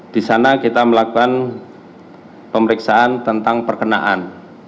di sana kita melakukan pemeriksaan tentang perkenaan